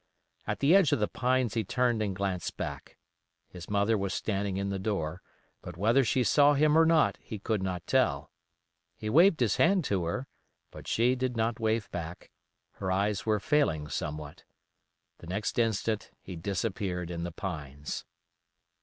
At the edge of the pines he turned and glanced back. His mother was standing in the door, but whether she saw him or not he could not tell. He waved his hand to her, but she did not wave back, her eyes were failing somewhat. The next instant he disappeared in the pines.